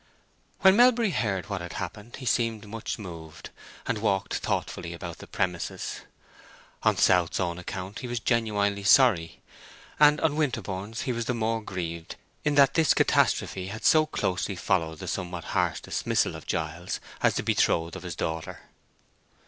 When Melbury heard what had happened he seemed much moved, and walked thoughtfully about the premises. On South's own account he was genuinely sorry; and on Winterborne's he was the more grieved in that this catastrophe had so closely followed the somewhat harsh dismissal of Giles as the betrothed of his daughter.